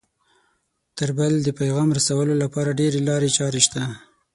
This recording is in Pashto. تر بل د پیغام رسولو لپاره ډېرې لارې چارې شته